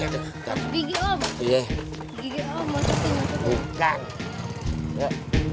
gigi om mau kasih nyempenya